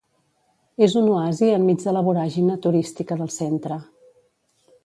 És un oasi enmig de la voràgine turística del centre.